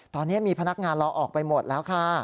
ตอนนี้มีพนักงานรอออกไปหมดแล้วค่ะ